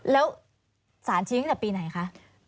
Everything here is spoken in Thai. แล้วสารชี้ตั้งแต่ปีไหนคะ